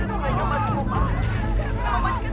kita udah jauh atau kita hanapin